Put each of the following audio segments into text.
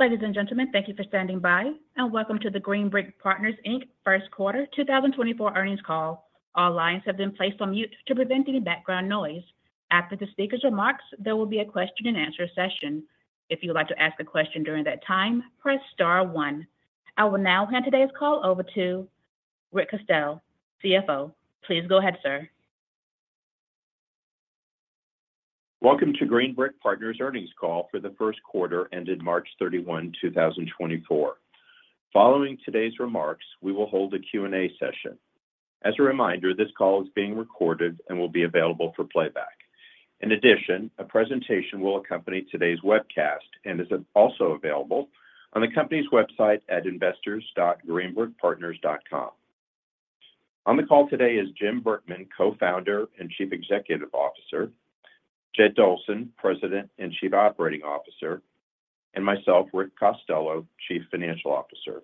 Ladies and gentlemen, thank you for standing by, and welcome to the Green Brick Partners, Inc. Q1 2024 Earnings Call. All lines have been placed on mute to prevent any background noise. After the speaker's remarks, there will be a question and answer session. If you would like to ask a question during that time, press star one. I will now hand today's call over to Rick Costello, CFO. Please go ahead, sir. Welcome to Green Brick Partners earnings call for the Q1 ended March 31, 2024. Following today's remarks, we will hold a Q&A session. As a reminder, this call is being recorded and will be available for playback. In addition, a presentation will accompany today's webcast and is also available on the company's website at investors.greenbrickpartners.com. On the call today is Jim Brickman, Co-founder and Chief Executive Officer, Jed Dolson, President and Chief Operating Officer, and myself, Rick Costello, Chief Financial Officer.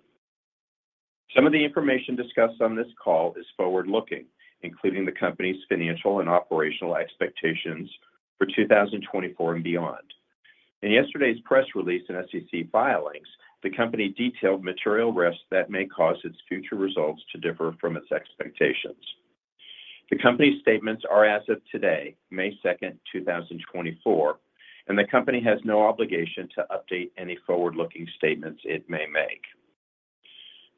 Some of the information discussed on this call is forward-looking, including the company's financial and operational expectations for 2024 and beyond. In yesterday's press release and SEC filings, the company detailed material risks that may cause its future results to differ from its expectations. The company's statements are as of today, May 2, 2024, and the company has no obligation to update any forward-looking statements it may make.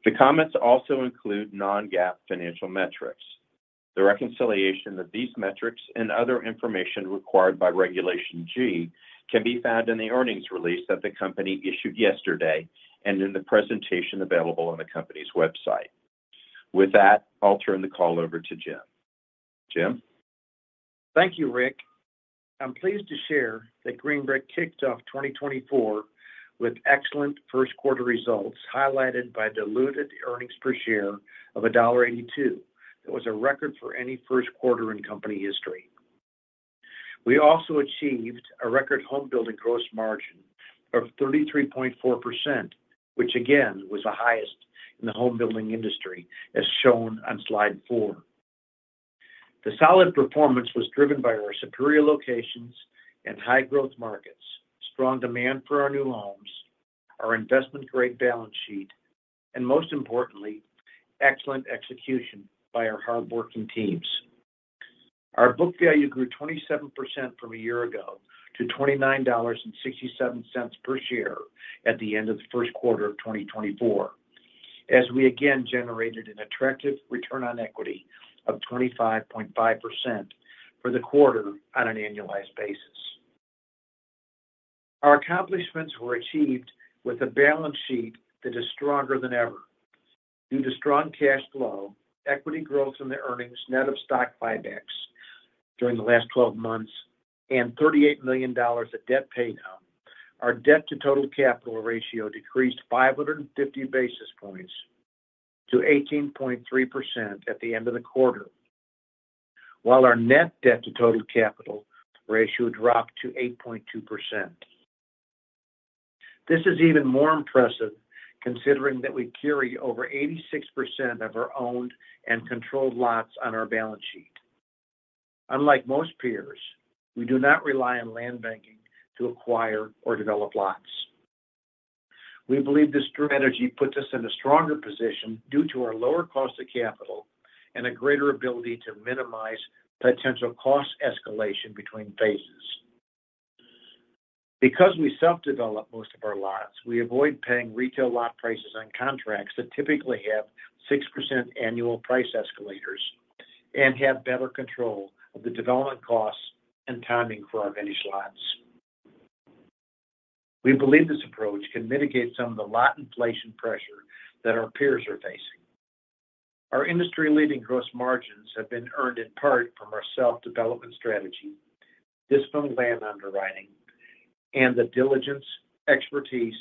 The comments also include non-GAAP financial metrics. The reconciliation of these metrics and other information required by Regulation G can be found in the earnings release that the company issued yesterday and in the presentation available on the company's website. With that, I'll turn the call over to Jim. Jim? Thank you, Rick. I'm pleased to share that Green Brick kicked off 2024 with excellent Q1 results, highlighted by diluted earnings per share of $1.82. That was a record for any Q1 in company history. We also achieved a record homebuilding gross margin of 33.4%, which again, was the highest in the homebuilding industry, as shown on slide four. The solid performance was driven by our superior locations and high-growth markets, strong demand for our new homes, our investment-grade balance sheet, and most importantly, excellent execution by our hardworking teams. Our book value grew 27% from a year ago to $29.67 per share at the end of the Q1 of 2024, as we again generated an attractive return on equity of 25.5% for the quarter on an annualized basis. Our accomplishments were achieved with a balance sheet that is stronger than ever. Due to strong cash flow, equity growth in the earnings net of stock buybacks during the last 12 months, and $38 million of debt paydown, our debt to total capital ratio decreased 550 basis points to 18.3% at the end of the quarter, while our net debt to total capital ratio dropped to 8.2%. This is even more impressive considering that we carry over 86% of our owned and controlled lots on our balance sheet. Unlike most peers, we do not rely on land banking to acquire or develop lots. We believe this strategy puts us in a stronger position due to our lower cost of capital and a greater ability to minimize potential cost escalation between phases. Because we self-develop most of our lots, we avoid paying retail lot prices on contracts that typically have 6% annual price escalators and have better control of the development costs and timing for our finished lots. We believe this approach can mitigate some of the lot inflation pressure that our peers are facing. Our industry-leading gross margins have been earned in part from our self-development strategy, disciplined land underwriting, and the diligence, expertise,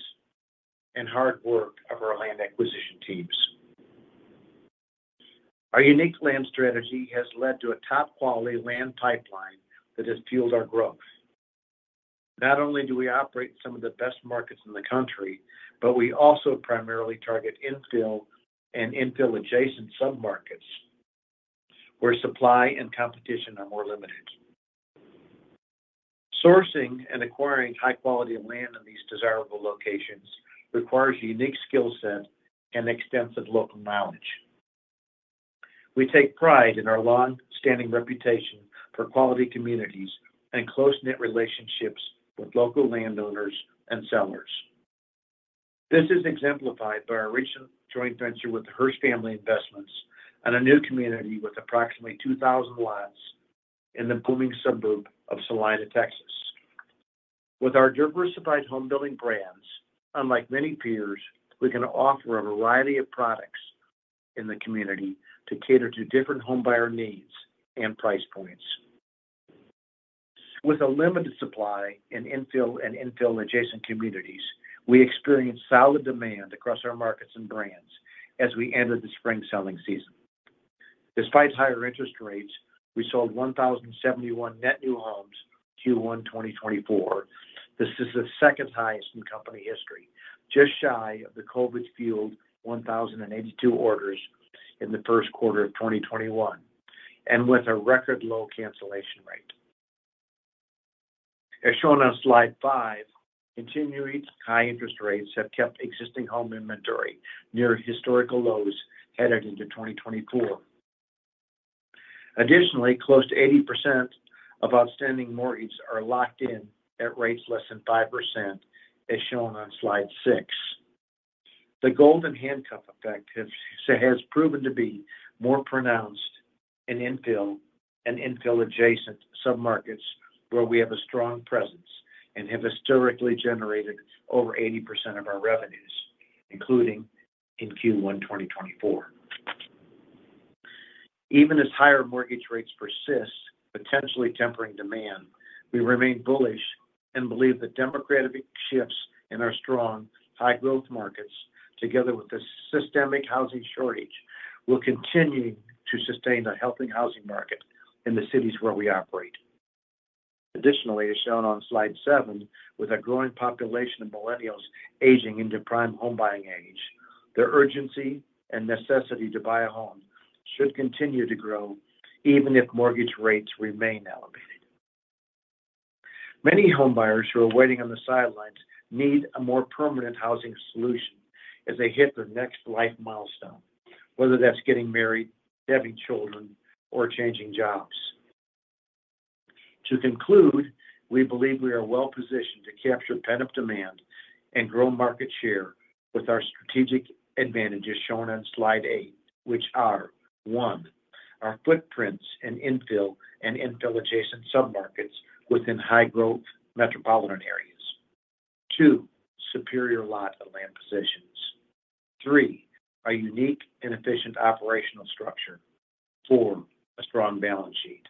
and hard work of our land acquisition teams. Our unique land strategy has led to a top-quality land pipeline that has fueled our growth. Not only do we operate some of the best markets in the country, but we also primarily target infill and infill-adjacent submarkets, where supply and competition are more limited. Sourcing and acquiring high quality land in these desirable locations requires a unique skill set and extensive local knowledge. We take pride in our long-standing reputation for quality communities and close-knit relationships with local landowners and sellers. This is exemplified by our recent joint venture with the Hersh Family Investments on a new community with approximately 2,000 lots in the booming suburb of Celina, Texas. With our diversified home building brands, unlike many peers, we can offer a variety of products in the community to cater to different homebuyer needs and price points. With a limited supply in infill and infill-adjacent communities, we experienced solid demand across our markets and brands as we entered the spring selling season. Despite higher interest rates, we sold 1,071 net new homes Q1 2024. This is the second highest in company history, just shy of the COVID-fueled 1,082 orders in the Q1 of 2021, and with a record low cancellation rate. As shown on slide five, continuing high interest rates have kept existing home inventory near historical lows headed into 2024. Additionally, close to 80% of outstanding mortgages are locked in at rates less than 5%, as shown on slide six. The golden handcuff effect has proven to be more pronounced in infill and infill-adjacent submarkets, where we have a strong presence and have historically generated over 80% of our revenues, including in Q1 2024. Even as higher mortgage rates persist, potentially tempering demand, we remain bullish and believe the demographic shifts in our strong, high-growth markets, together with the systemic housing shortage, will continue to sustain a healthy housing market in the cities where we operate. Additionally, as shown on slide seven, with a growing population of millennials aging into prime home buying age, their urgency and necessity to buy a home should continue to grow, even if mortgage rates remain elevated. Many homebuyers who are waiting on the sidelines need a more permanent housing solution as they hit their next life milestone, whether that's getting married, having children, or changing jobs. To conclude, we believe we are well positioned to capture pent-up demand and grow market share with our strategic advantages shown on slide eight, which are: one, our footprints in infill and infill-adjacent submarkets within high-growth metropolitan areas; two, superior lot of land positions; three, a unique and efficient operational structure; four, a strong balance sheet.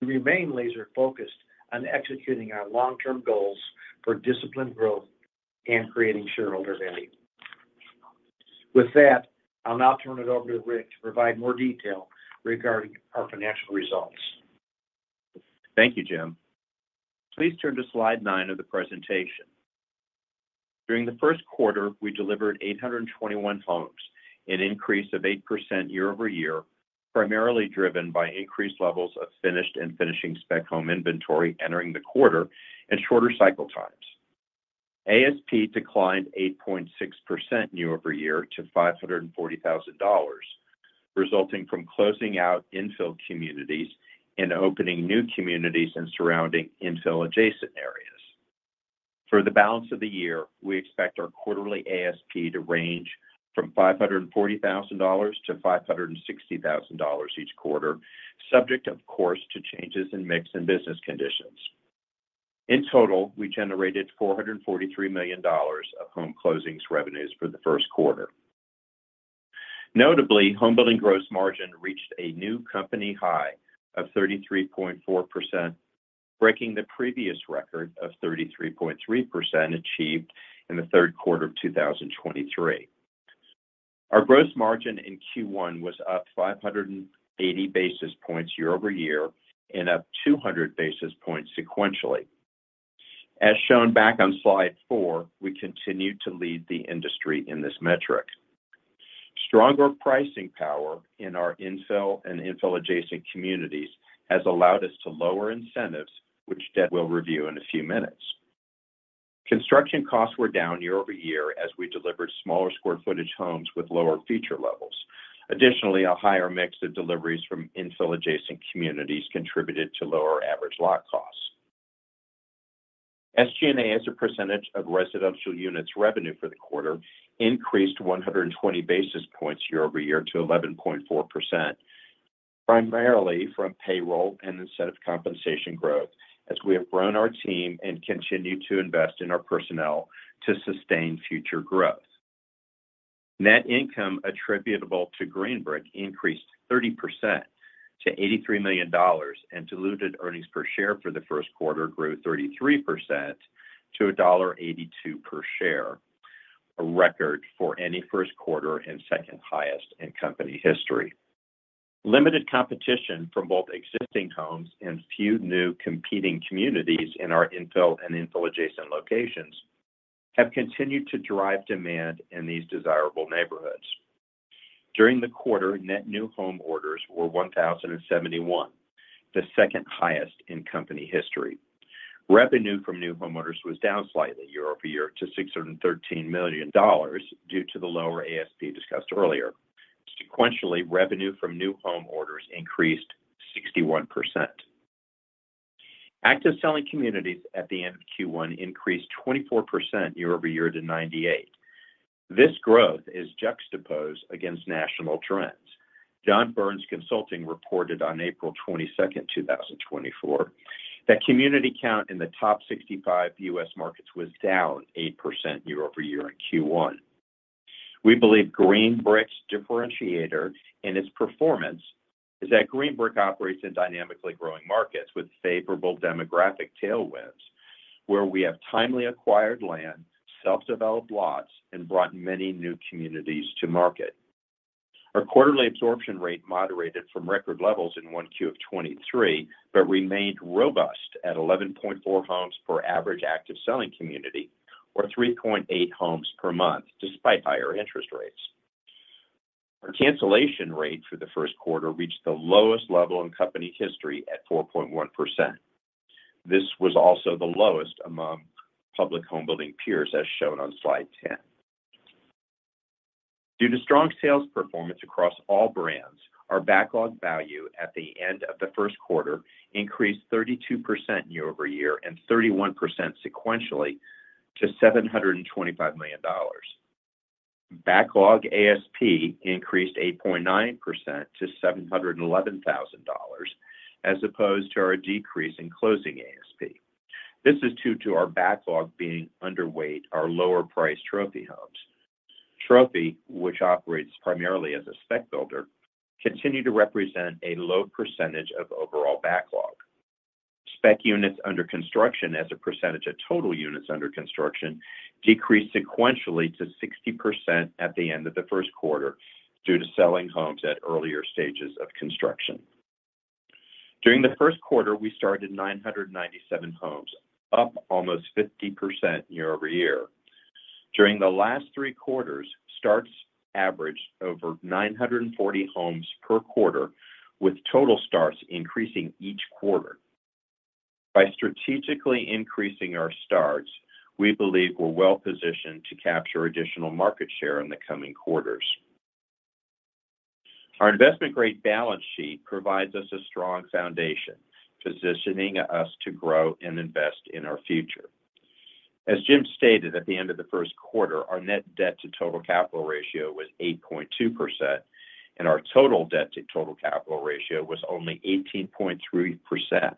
We remain laser-focused on executing our long-term goals for disciplined growth and creating shareholder value. With that, I'll now turn it over to Rick to provide more detail regarding our financial results. Thank you, Jim. Please turn to slide nine of the presentation. During the Q1, we delivered 821 homes, an increase of 8% year-over-year, primarily driven by increased levels of finished and finishing spec home inventory entering the quarter and shorter cycle times. ASP declined 8.6% year-over-year to $540,000, resulting from closing out infill communities and opening new communities in surrounding infill-adjacent areas. For the balance of the year, we expect our quarterly ASP to range from $540,000-$560,000 each quarter, subject, of course, to changes in mix and business conditions. In total, we generated $443 million of home closings revenues for the Q1. Notably, homebuilding gross margin reached a new company high of 33.4%, breaking the previous record of 33.3%, achieved in the Q3 of 2023. Our gross margin in Q1 was up 580 basis points year-over-year and up 200 basis points sequentially. As shown back on slide four, we continued to lead the industry in this metric. Stronger pricing power in our infill and infill-adjacent communities has allowed us to lower incentives, which Jeb will review in a few minutes. Construction costs were down year-over-year as we delivered smaller square footage homes with lower feature levels. Additionally, a higher mix of deliveries from infill-adjacent communities contributed to lower average lot costs. SG&A, as a percentage of residential units revenue for the quarter, increased 100 basis points year-over-year to 11.4%, primarily from payroll and incentive compensation growth, as we have grown our team and continued to invest in our personnel to sustain future growth. Net income attributable to Green Brick increased 30% to $83 million, and diluted earnings per share for the Q1 grew 33% to $1.82 per share, a record for any Q1 and second highest in company history. Limited competition from both existing homes and few new competing communities in our infill and infill-adjacent locations have continued to drive demand in these desirable neighborhoods. During the quarter, net new home orders were 1,071, the second highest in company history. Revenue from new homeowners was down slightly year-over-year to $613 million due to the lower ASP discussed earlier. Sequentially, revenue from new home orders increased 61%. Active selling communities at the end of Q1 increased 24% year-over-year to 98. This growth is juxtaposed against national trends. John Burns Consulting reported on April 22, 2024, that community count in the top 65 U.S. markets was down 8% year-over-year in Q1. We believe Green Brick's differentiator in its performance is that Green Brick operates in dynamically growing markets with favorable demographic tailwinds, where we have timely acquired land, self-developed lots, and brought many new communities to market. Our quarterly absorption rate moderated from record levels in Q1 of 2023, but remained robust at 11.4 homes per average active selling community, or 3.8 homes per month, despite higher interest rates. Our cancellation rate for the Q1 reached the lowest level in company history at 4.1%. This was also the lowest among public home building peers, as shown on slide 10. Due to strong sales performance across all brands, our backlog value at the end of the Q1 increased 32% year-over-year and 31% sequentially to $725 million. Backlog ASP increased 8.9% to $711,000, as opposed to our decrease in closing ASP. This is due to our backlog being underweight our lower-priced trophy homes. Trophy, which operates primarily as a spec builder, continued to represent a low percentage of overall backlog. Spec units under construction as a percentage of total units under construction, decreased sequentially to 60% at the end of the Q1, due to selling homes at earlier stages of construction. During the Q1, we started 997 homes, up almost 50% year-over-year. During the last three quarters, starts averaged over 940 homes per quarter, with total starts increasing each quarter. By strategically increasing our starts, we believe we're well positioned to capture additional market share in the coming quarters. Our investment-grade balance sheet provides us a strong foundation, positioning us to grow and invest in our future. As Jim stated, at the end of the Q1, our net debt to total capital ratio was 8.2%, and our total debt to total capital ratio was only 18.3%,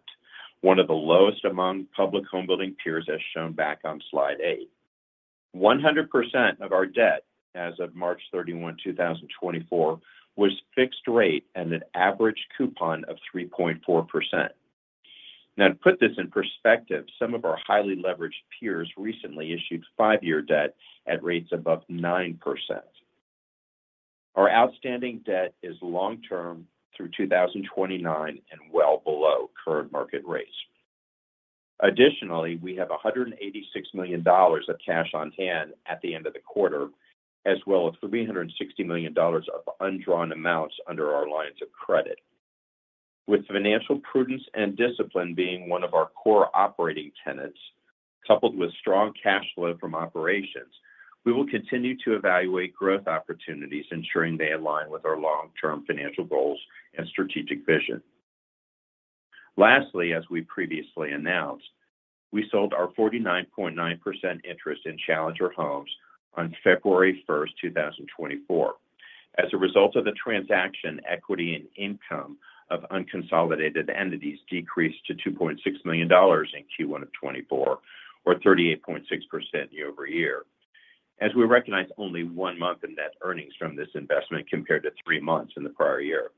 one of the lowest among public home building peers, as shown back on slide 8. 100% of our debt as of March 31, 2024, was fixed rate and an average coupon of 3.4%. Now, to put this in perspective, some of our highly leveraged peers recently issued five-year debt at rates above 9%. Our outstanding debt is long term through 2029 and well below current market rates. Additionally, we have $186 million of cash on hand at the end of the quarter, as well as $360 million of undrawn amounts under our lines of credit. With financial prudence and discipline being one of our core operating tenets, coupled with strong cash flow from operations, we will continue to evaluate growth opportunities, ensuring they align with our long-term financial goals and strategic vision. Lastly, as we previously announced, we sold our 49.9% interest in Challenger Homes on February 1, 2024. As a result of the transaction, equity and income of unconsolidated entities decreased to $2.6 million in Q1 of 2024, or 38.6% year-over-year. As we recognize only one month in net earnings from this investment compared to three months in the prior year.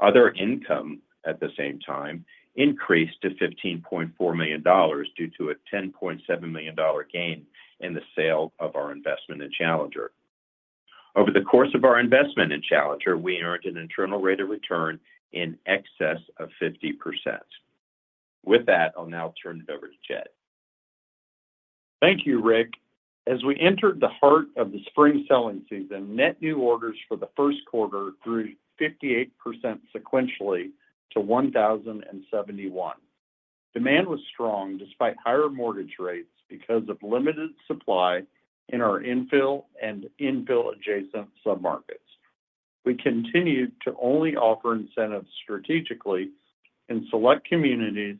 Other income, at the same time, increased to $15.4 million due to a $10.7 million gain in the sale of our investment in Challenger. Over the course of our investment in Challenger, we earned an internal rate of return in excess of 50%. With that, I'll now turn it over to Jed. Thank you, Rick. As we entered the heart of the spring selling season, net new orders for the Q1 grew 58% sequentially to 1,071. Demand was strong despite higher mortgage rates, because of limited supply in our infill and infill-adjacent submarkets. We continued to only offer incentives strategically in select communities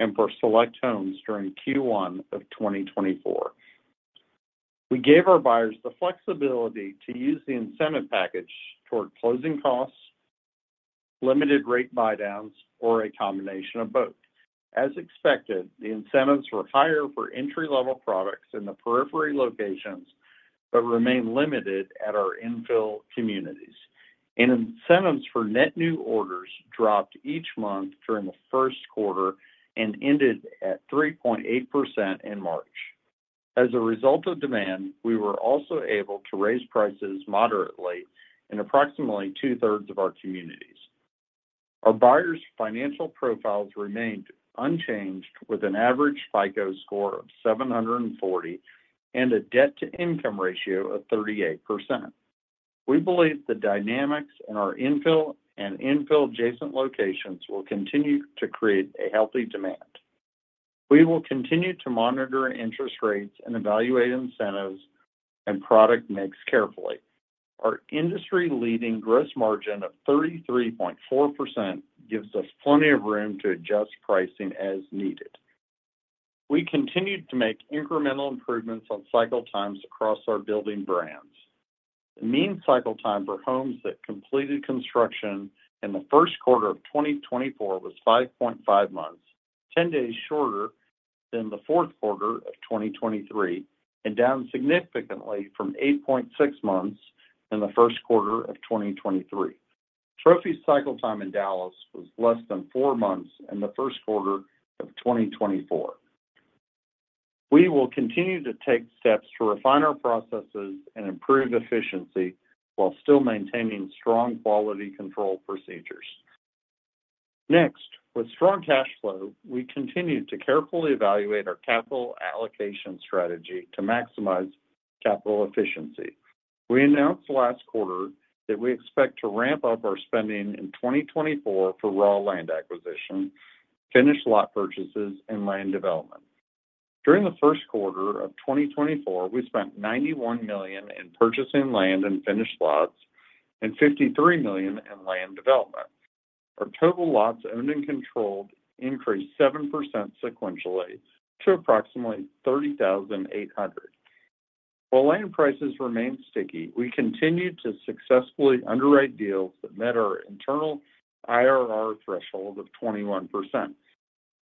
and for select homes during Q1 of 2024. We gave our buyers the flexibility to use the incentive package toward closing costs, limited rate buydowns, or a combination of both. As expected, the incentives were higher for entry-level products in the periphery locations, but remained limited at our infill communities. Incentives for net new orders dropped each month during the Q1 and ended at 3.8% in March. As a result of demand, we were also able to raise prices moderately in approximately two-thirds of our communities. Our buyers' financial profiles remained unchanged, with an average FICO score of 740 and a debt-to-income ratio of 38%. We believe the dynamics in our infill and infill-adjacent locations will continue to create a healthy demand. We will continue to monitor interest rates and evaluate incentives and product mix carefully. Our industry-leading gross margin of 33.4% gives us plenty of room to adjust pricing as needed. We continued to make incremental improvements on cycle times across our building brands. The mean cycle time for homes that completed construction in the Q1 of 2024 was 5.5 months, 10 days shorter than the Q4 of 2023, and down significantly from 8.6 months in the Q1 of 2023. Trophy's cycle time in Dallas was less than four months in the Q1 of 2024. We will continue to take steps to refine our processes and improve efficiency while still maintaining strong quality control procedures. Next, with strong cash flow, we continue to carefully evaluate our capital allocation strategy to maximize capital efficiency. We announced last quarter that we expect to ramp up our spending in 2024 for raw land acquisition, finished lot purchases, and land development. During the Q1 of 2024, we spent $91 million in purchasing land and finished lots and $53 million in land development. Our total lots owned and controlled increased 7% sequentially to approximately 30,800. While land prices remain sticky, we continued to successfully underwrite deals that met our internal IRR threshold of 21%.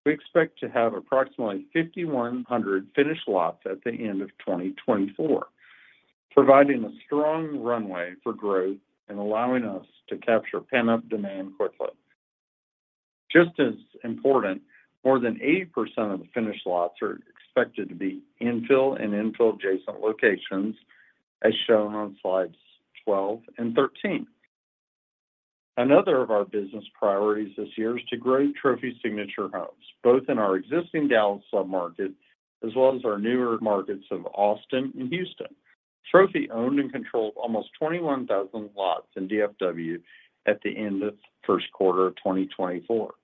We expect to have approximately 5,100 finished lots at the end of 2024, providing a strong runway for growth and allowing us to capture pent-up demand quickly. Just as important, more than 80% of the finished lots are expected to be infill and infill-adjacent locations, as shown on slides 12 and 13. Another of our business priorities this year is to grow Trophy Signature Homes, both in our existing Dallas sub-markets, as well as our newer markets of Austin and Houston. Trophy owned and controlled almost 21,000 lots in DFW at the end of the Q1 of 2024.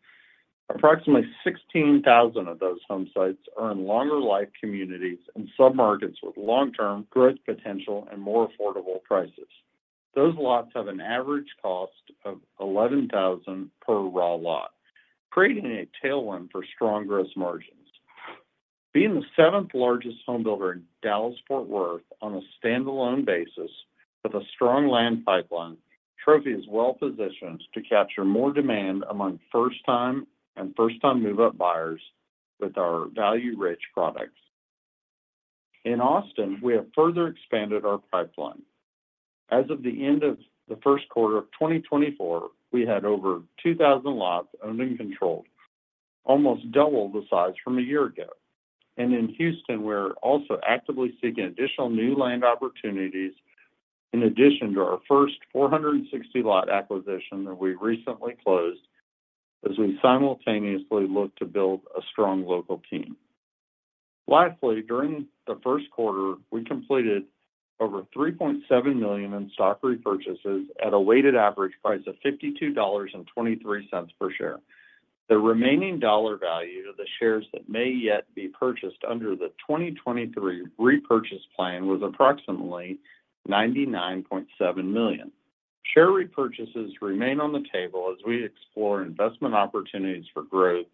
Approximately 16,000 of those home sites are in longer life communities and submarkets with long-term growth potential and more affordable prices. Those lots have an average cost of $11,000 per raw lot, creating a tailwind for strong gross margins. Being the seventh largest home builder in Dallas-Fort Worth on a standalone basis with a strong land pipeline, Trophy is well positioned to capture more demand among first time and first-time move-up buyers with our value-rich products. In Austin, we have further expanded our pipeline. As of the end of the Q1 of 2024, we had over 2,000 lots owned and controlled, almost double the size from a year ago. In Houston, we're also actively seeking additional new land opportunities in addition to our first 460-lot acquisition that we recently closed, as we simultaneously look to build a strong local team. Lastly, during the Q1, we completed over $3.7 million in stock repurchases at a weighted average price of $52.23 per share. The remaining dollar value of the shares that may yet be purchased under the 2023 repurchase plan was approximately $99.7 million. Share repurchases remain on the table as we explore investment opportunities for growth,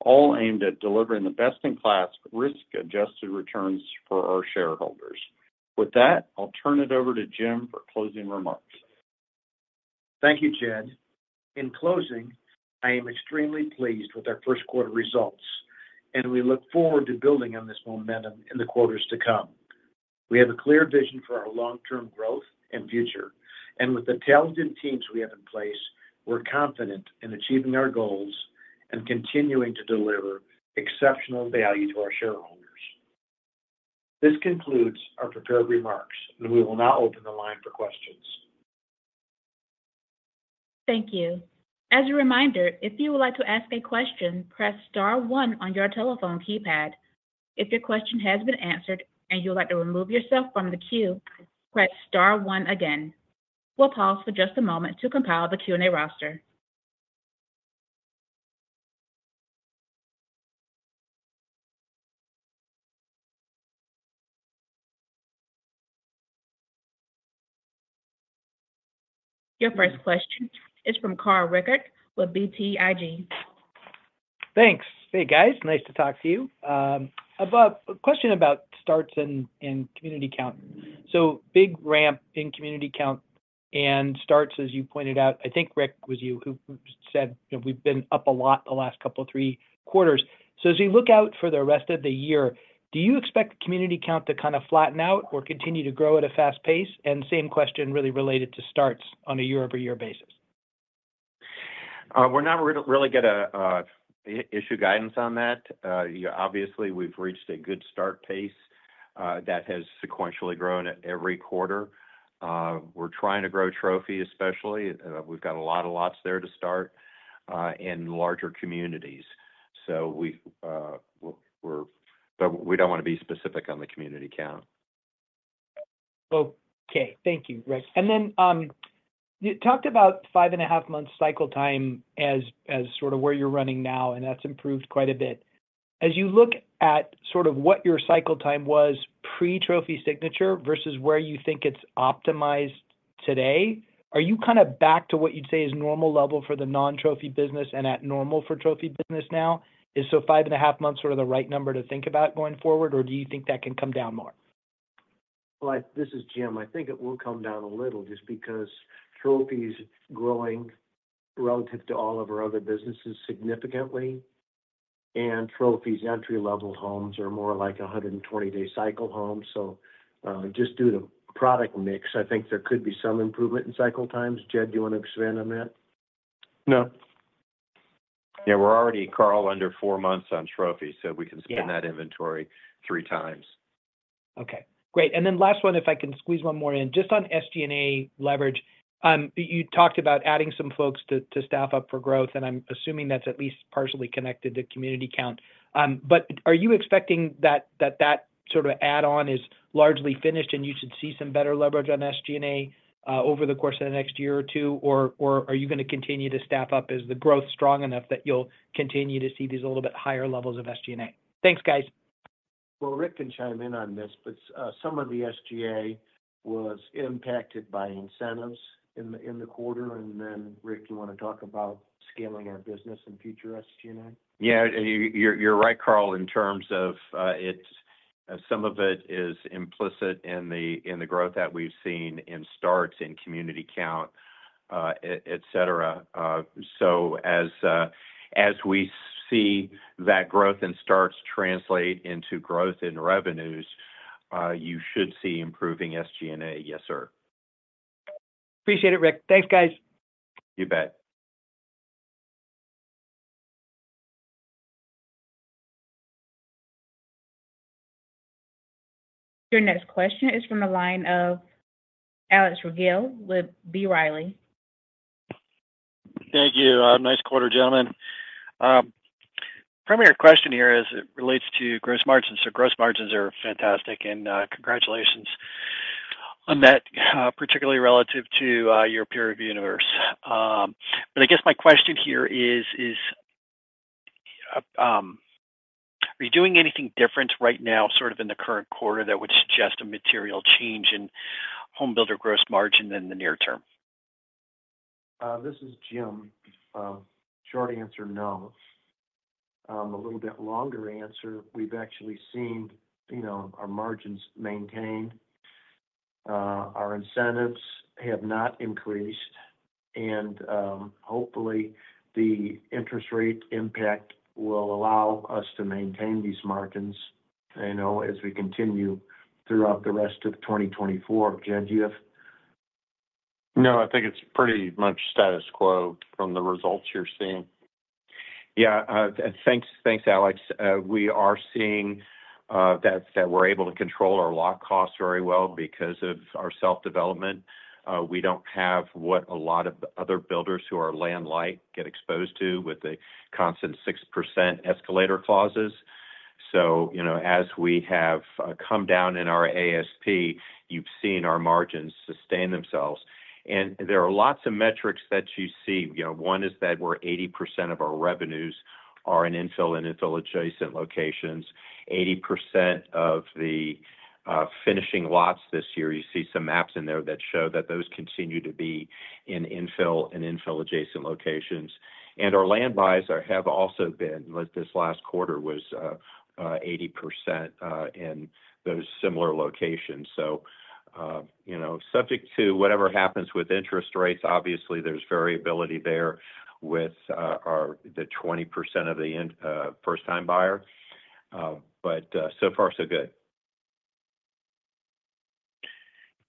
all aimed at delivering the best-in-class risk-adjusted returns for our shareholders. With that, I'll turn it over to Jim for closing remarks. Thank you, Jed. In closing, I am extremely pleased with our Q1 results, and we look forward to building on this momentum in the quarters to come. We have a clear vision for our long-term growth and future, and with the talented teams we have in place, we're confident in achieving our goals and continuing to deliver exceptional value to our shareholders. This concludes our prepared remarks, and we will now open the line for questions. Thank you. As a reminder, if you would like to ask a question, press star one on your telephone keypad. If your question has been answered and you would like to remove yourself from the queue, press star one again. We'll pause for just a moment to compile the Q&A roster. Your first question is from Carl Reichardt with BTIG. Thanks. Hey, guys. Nice to talk to you. About-a question about starts and community count. So big ramp in community count and starts, as you pointed out, I think, Rick, was you who said, "We've been up a lot the last couple of three quarters." So as you look out for the rest of the year, do you expect the community count to kind of flatten out or continue to grow at a fast pace? And same question really related to starts on a year-over-year basis. We're not really gonna issue guidance on that. Obviously, we've reached a good start pace that has sequentially grown at every quarter. We're trying to grow Trophy, especially. We've got a lot of lots there to start in larger communities. So we're but we don't want to be specific on the community count. Okay. Thank you, Rick. And then, you talked about 5.5 months cycle time as, as sort of where you're running now, and that's improved quite a bit. As you look at sort of what your cycle time was pre-Trophy Signature versus where you think it's optimized today, are you kind of back to what you'd say is normal level for the non-Trophy business and at normal for Trophy business now? Is so 5.5 months sort of the right number to think about going forward, or do you think that can come down more? Well, this is Jim. I think it will come down a little, just because Trophy is growing relative to all of our other businesses significantly, and Trophy's entry-level homes are more like a 120-day cycle home. So, just due to the product mix, I think there could be some improvement in cycle times. Jed, do you want to expand on that? No. Yeah, we're already, Carl, under four months on Trophy, so we can spin that inventory three times. Okay, great. And then last one, if I can squeeze one more in. Just on SG&A leverage, you talked about adding some folks to staff up for growth, and I'm assuming that's at least partially connected to community count. But are you expecting that sort of add-on is largely finished, and you should see some better leverage on SG&A over the course of the next year or two? Or are you gonna continue to staff up? Is the growth strong enough that you'll continue to see these a little bit higher levels of SG&A? Thanks, guys. Well, Rick can chime in on this, but some of the SG&A was impacted by incentives in the quarter. And then, Rick, you wanna talk about scaling our business and future SG&A? Yeah, you're right, Carl, in terms of, some of it is implicit in the growth that we've seen in starts in community count, et cetera. So as we see that growth and starts translate into growth in revenues, you should see improving SG&A. Yes, sir. Appreciate it, Rick. Thanks, guys. You bet. Your next question is from the line of Alex Rygiel with B. Riley. Thank you. Nice quarter, gentlemen. Primary question here as it relates to gross margins. So gross margins are fantastic, and, congratulations on that, particularly relative to, your peer review universe. But I guess my question here is, are you doing anything different right now, sort of in the current quarter, that would suggest a material change in home builder gross margin in the near term? This is Jim. Short answer, no. A little bit longer answer, we've actually seen, you know, our margins maintained, our incentives have not increased, and, hopefully, the interest rate impact will allow us to maintain these margins, you know, as we continue throughout the rest of 2024. Jim, do you have— No, I think it's pretty much status quo from the results you're seeing. Yeah, thanks, thanks, Alex. We are seeing that we're able to control our lot costs very well because of our self-development. We don't have what a lot of other builders who are land light get exposed to with the constant 6% escalator clauses. So, you know, as we have come down in our ASP, you've seen our margins sustain themselves. And there are lots of metrics that you see. You know, one is that we're 80% of our revenues are in infill and infill-adjacent locations. 80% of the finishing lots this year, you see some maps in there that show that those continue to be in infill and infill-adjacent locations. And our land buys have also been. Like, this last quarter was 80% in those similar locations. So, you know, subject to whatever happens with interest rates, obviously, there's variability there with the 20% of the first-time buyer, but so far, so good.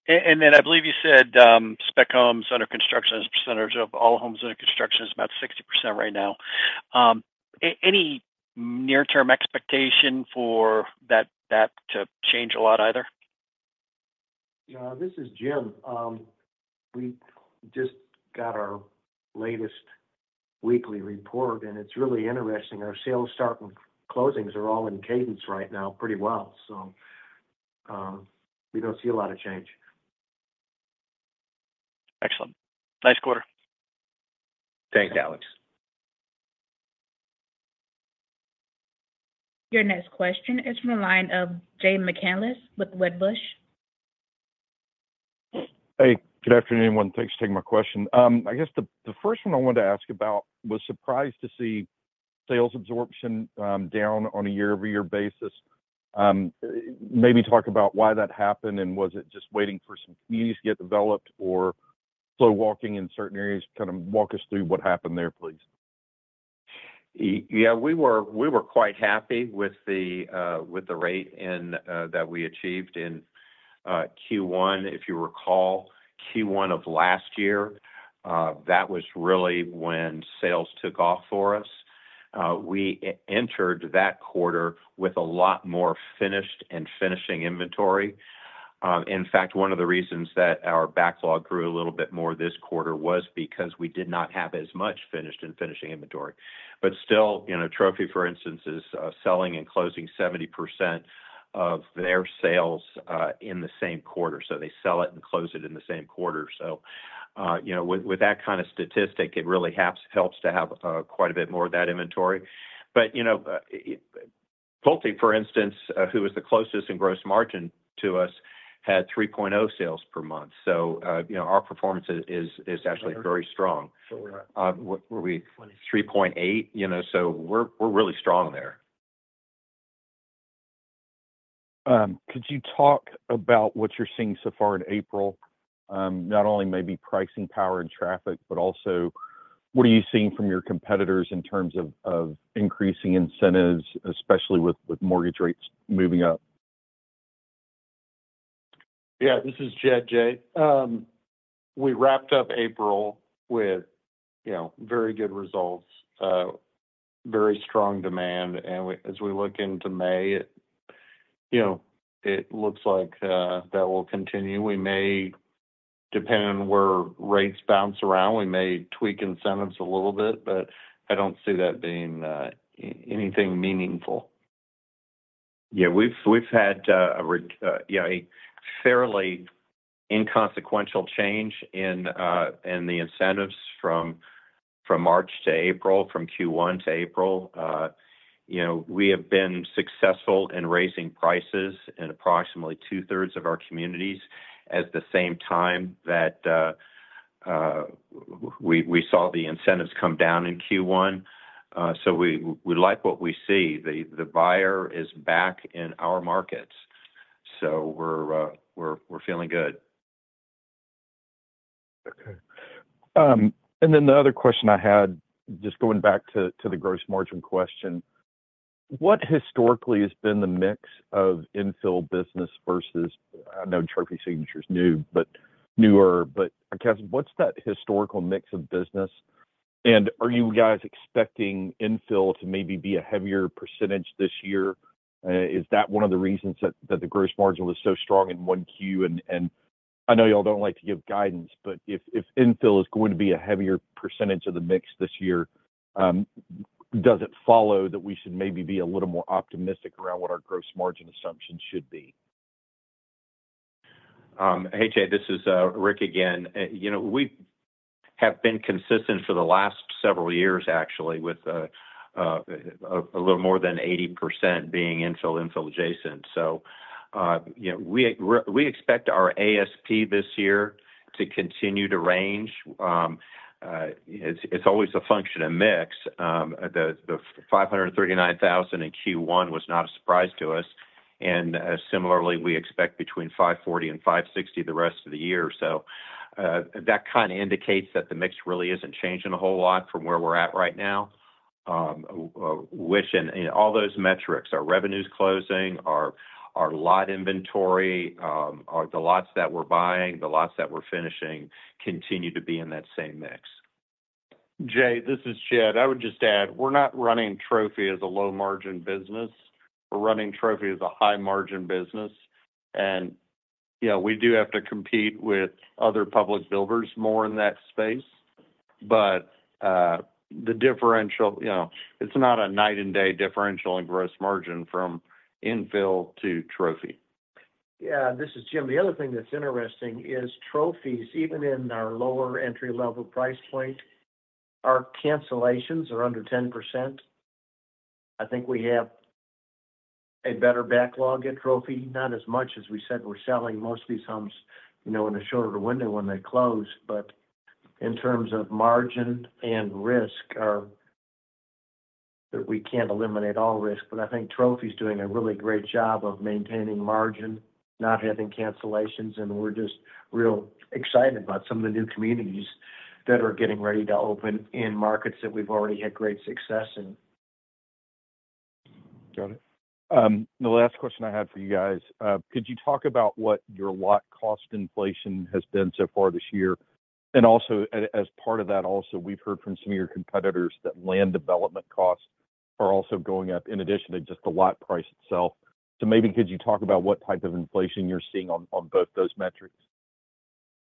And then I believe you said, spec homes under construction, as a percentage of all homes under construction, is about 60% right now. Any near-term expectation for that to change a lot either? This is Jim. We just got our latest weekly report, and it's really interesting. Our sales start and closings are all in cadence right now pretty well, so we don't see a lot of change. Excellent. Nice quarter. Thanks, Alex. Your next question is from the line of Jay McCanless with Wedbush. Hey, good afternoon, everyone. Thanks for taking my question. I guess the first one I wanted to ask about was surprised to see sales absorption down on a year-over-year basis. Maybe talk about why that happened, and was it just waiting for some communities to get developed or slow walking in certain areas? Kind of walk us through what happened there, please. Yeah, we were quite happy with the rate and that we achieved in Q1. If you recall, Q1 of last year, that was really when sales took off for us. We entered that quarter with a lot more finished and finishing inventory. In fact, one of the reasons that our backlog grew a little bit more this quarter was because we did not have as much finished and finishing inventory. But still, you know, Trophy, for instance, is selling and closing 70% of their sales in the same quarter. So, they sell it and close it in the same quarter. So, you know, with that kind of statistic, it really helps to have quite a bit more of that inventory. But, you know, PulteGroup, for instance, who is the closest in gross margin to us, had 3.0 sales per month. So, you know, our performance is actually very strong. So we're at— Were we 3.8, you know, so we're really strong there. Could you talk about what you're seeing so far in April? Not only maybe pricing power and traffic, but also, what are you seeing from your competitors in terms of increasing incentives, especially with mortgage rates moving up? Yeah, this is Jed, Jay. We wrapped up April with, you know, very good results, very strong demand. And as we look into May, it, you know, it looks like that will continue. We may, depending on where rates bounce around, we may tweak incentives a little bit, but I don't see that being anything meaningful. Yeah, we've had a, you know, fairly inconsequential change in the incentives from March to April, from Q1 to April. You know, we have been successful in raising prices in approximately two-thirds of our communities, at the same time that we saw the incentives come down in Q1. So we like what we see. The buyer is back in our markets, so we're feeling good. Okay. And then the other question I had, just going back to the gross margin question: What historically has been the mix of infill business versus... I know Trophy Signature's new, but newer, but I guess, what's that historical mix of business? And are you guys expecting infill to maybe be a heavier percentage this year? Is that one of the reasons that the gross margin was so strong in one Q? And I know y'all don't like to give guidance, but if infill is going to be a heavier percentage of the mix this year, does it follow that we should maybe be a little more optimistic around what our gross margin assumptions should be? Hey, Jay, this is Rick again. You know, we have been consistent for the last several years, actually, with a little more than 80% being infill, infill-adjacent. So, you know, we expect our ASP this year to continue to range. It's always a function of mix. The $539,000 in Q1 was not a surprise to us, and similarly, we expect between $540 and $560 the rest of the year. So, that kind of indicates that the mix really isn't changing a whole lot from where we're at right now. Which, in all those metrics, our revenues closing, our lot inventory, our—the lots that we're buying, the lots that we're finishing, continue to be in that same mix. Jay, this is Jed. I would just add, we're not running Trophy as a low-margin business. We're running Trophy as a high-margin business, and, you know, we do have to compete with other public builders more in that space. But the differential, you know, it's not a night-and-day differential in gross margin from infill to Trophy. Yeah, this is Jim. The other thing that's interesting is Trophy's, even in our lower entry-level price point, our cancellations are under 10%. I think we have a better backlog at Trophy, not as much as we said. We're selling mostly homes, you know, in a shorter window when they close. But in terms of margin and risk can't eliminate all risk, but I think Trophy's doing a really great job of maintaining margin, not having cancellations, and we're just real excited about some of the new communities that are getting ready to open in markets that we've already had great success in. Got it. The last question I had for you guys, could you talk about what your lot cost inflation has been so far this year? And also, as part of that also, we've heard from some of your competitors that land development costs are also going up, in addition to just the lot price itself. So maybe could you talk about what type of inflation you're seeing on both those metrics?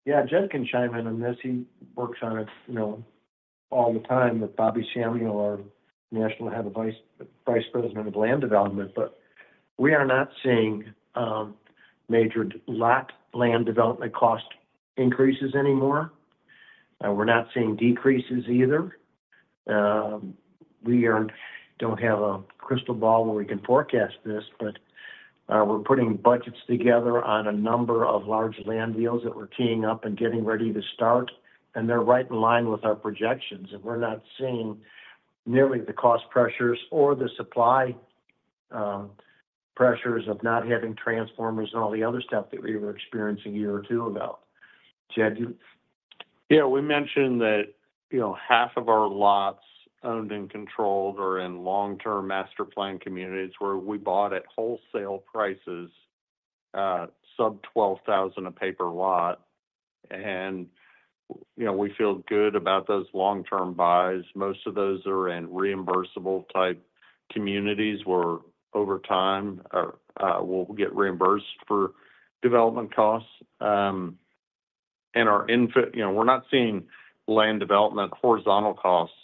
Yeah, Jed can chime in on this. He works on it, you know, all the time with Bobby Samuel, our National Vice President of Land Development. But we are not seeing major lot land development cost increases anymore. We're not seeing decreases either. We don't have a crystal ball where we can forecast this, but we're putting budgets together on a number of large land deals that we're teeing up and getting ready to start, and they're right in line with our projections. And we're not seeing nearly the cost pressures or the supply pressures of not having transformers and all the other stuff that we were experiencing a year or two ago. Jed, you— Yeah, we mentioned that, you know, half of our lots owned and controlled are in long-term master-planned communities, where we bought at wholesale prices, sub-$12,000 a paper lot, and, you know, we feel good about those long-term buys. Most of those are in reimbursable-type communities, where over time, we'll get reimbursed for development costs. And our infill, you know, we're not seeing land development horizontal costs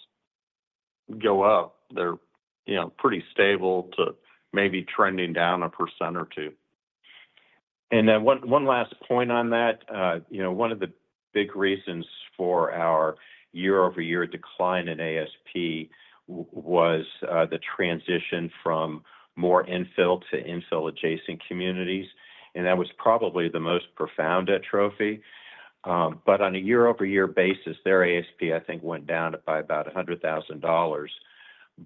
go up. They're, you know, pretty stable to maybe trending down 1% or 2%. And then one last point on that. You know, one of the big reasons for our year-over-year decline in ASP was the transition from more infill to infill-adjacent communities, and that was probably the most profound at Trophy. But on a year-over-year basis, their ASP, I think, went down by about $100,000.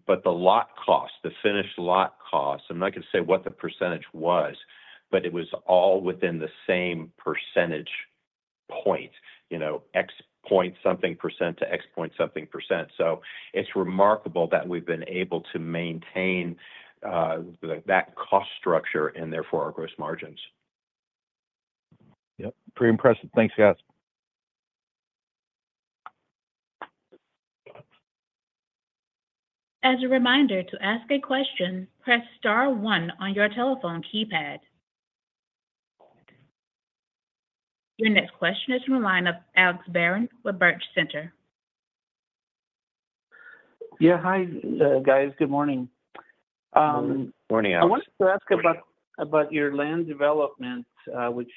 But the lot cost, the finished lot cost, I'm not going to say what the percentage was, but it was all within the same percentage point, you know, X point something%-X point something%. So it's remarkable that we've been able to maintain that cost structure, and therefore our gross margins. Yep, pretty impressive. Thanks, guys. As a reminder, to ask a question, press star one on your telephone keypad. Your next question is from the line of Alex Barron with Housing Research Center. Yeah. Hi, guys. Good morning. Morning, Alex. I wanted to ask about your land development, which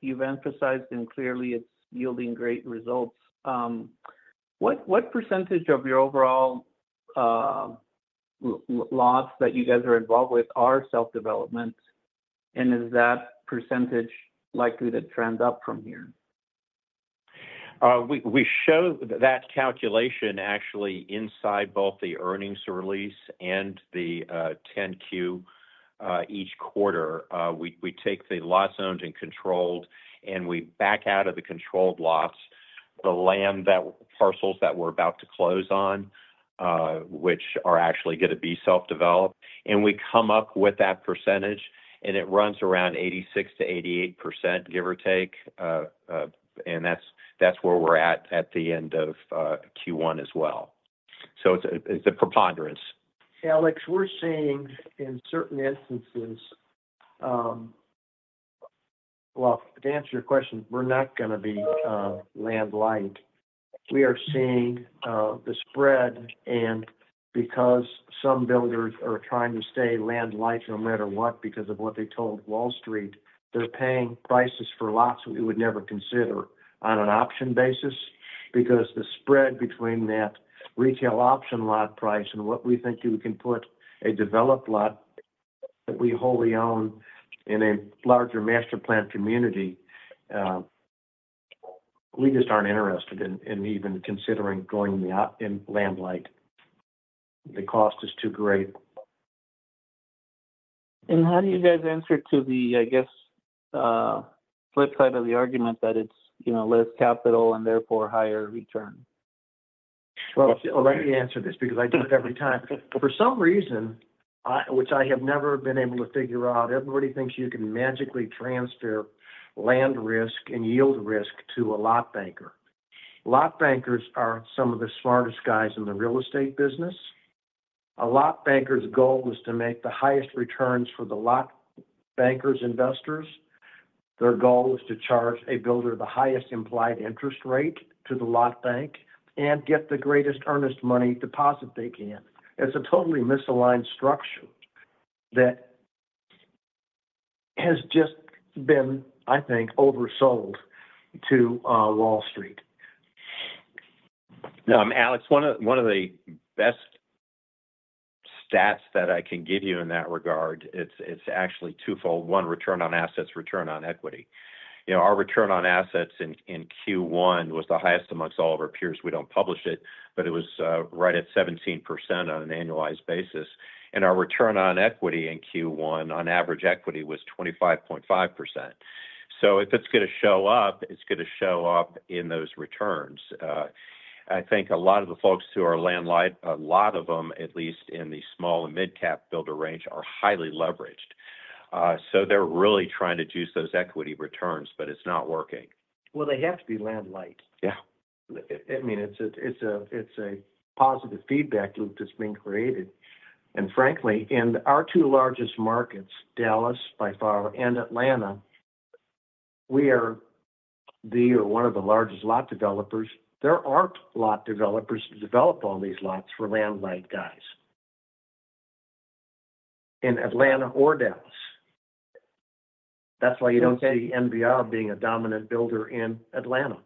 you've emphasized, and clearly it's yielding great results. What percentage of your overall lots that you guys are involved with are self-development, and is that percentage likely to trend up from here? We show that calculation actually inside both the earnings release and the 10-Q each quarter. We take the lot zones and controlled, and we back out of the controlled lots, the land parcels that we're about to close on, which are actually gonna be self-developed, and we come up with that percentage, and it runs around 86%-88%, give or take. And that's where we're at, at the end of Q1 as well. So it's a preponderance. Alex, we're seeing in certain instances... Well, to answer your question, we're not gonna be land light. We are seeing the spread, and because some builders are trying to stay land light no matter what, because of what they told Wall Street, they're paying prices for lots we would never consider on an option basis. Because the spread between that retail option lot price and what we think we can put a developed lot that we wholly own in a larger master plan community, we just aren't interested in even considering going in land light. The cost is too great. How do you guys answer to the, I guess, flip side of the argument that it's, you know, less capital and therefore higher return? Well, let me answer this because I do it every time. For some reason, I—which I have never been able to figure out, everybody thinks you can magically transfer land risk and yield risk to a lot banker. Lot bankers are some of the smartest guys in the real estate business. A lot banker's goal is to make the highest returns for the lot banker's investors. Their goal is to charge a builder the highest implied interest rate to the lot bank and get the greatest earnest money deposit they can. It's a totally misaligned structure that has just been, I think, oversold to Wall Street. Alex, one of the best stats that I can give you in that regard, it's actually twofold: one, return on assets, return on equity. You know, our return on assets in Q1 was the highest among all of our peers. We don't publish it, but it was right at 17% on an annualized basis. Our return on equity in Q1, on average equity, was 25.5%. So, if it's gonna show up, it's gonna show up in those returns. I think a lot of the folks who are land light, a lot of them, at least in the small and mid-cap builder range, are highly leveraged. So, they're really trying to juice those equity returns, but it's not working. Well, they have to be land light. Yeah. I mean, it's a positive feedback loop that's been created. Frankly, in our two largest markets, Dallas by far and Atlanta, we are the or one of the largest lot developers. There aren't lot developers to develop all these lots for land light guys in Atlanta or Dallas. That's why you don't see NVR being a dominant builder in Atlanta.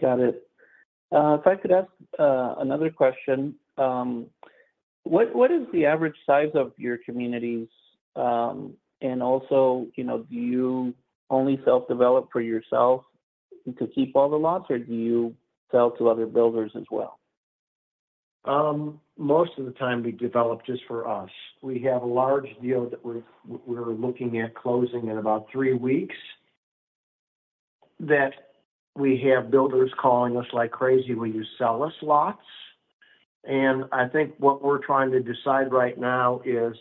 Got it. If I could ask another question. What is the average size of your communities? And also, you know, do you only self-develop for yourself to keep all the lots, or do you sell to other builders as well? Most of the time we develop just for us. We have a large deal that we're looking at closing in about three weeks, that we have builders calling us like crazy, "Will you sell us lots?" I think what we're trying to decide right now is,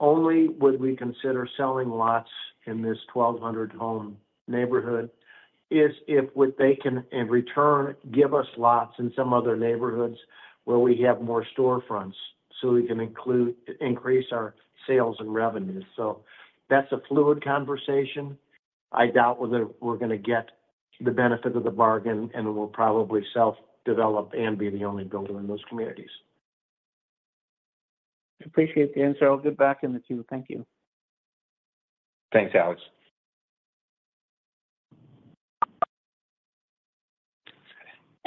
only would we consider selling lots in this 1,200-home neighborhood, is if what they can, in return, give us lots in some other neighborhoods where we have more storefronts, so we can include—increase our sales and revenues. That's a fluid conversation. I doubt whether we're gonna get the benefit of the bargain, and we'll probably self-develop and be the only builder in those communities. Appreciate the answer. I'll get back in the queue. Thank you. Thanks, Alex.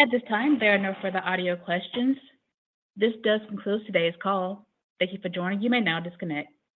At this time, there are no further audio questions. This does conclude today's call. Thank you for joining. You may now disconnect.